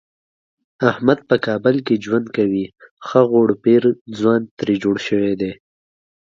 احمد په کابل کې ژوند کوي ښه غوړپېړ ځوان ترې جوړ شوی دی.